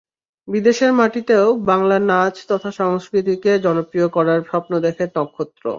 বিদেশের মাটিতেও বাংলা নাচ তথা সংস্কৃতিকে জনপ্রিয় করার স্বপ্ন দেখে নক্ষত্র।